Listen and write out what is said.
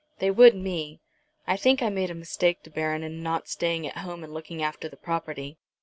They would me. I think I made a mistake, De Baron, in not staying at home and looking after the property."